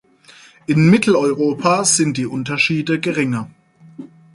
In Mitteleuropa sind die Unterschiede geringer.